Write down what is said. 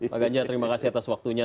pak ganjar terima kasih atas waktunya